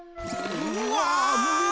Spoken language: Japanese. うわ！